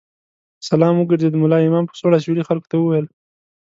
سلام وګرځېد، ملا امام په سوړ اسوېلي خلکو ته وویل.